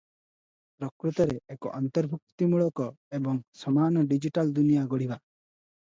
ପ୍ରକୃତରେ ଏକ ଅନ୍ତର୍ଭୁକ୍ତିମୂଳକ ଏବଂ ସମାନ ଡିଜିଟାଲ ଦୁନିଆ ଗଢ଼ିବା ।